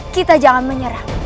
kita jangan menyerah